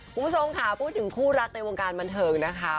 คุณผู้ชมค่ะพูดถึงคู่รักในวงการบันเทิงนะคะ